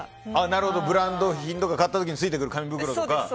なるほど、ブランド品と買った時についてくる紙袋。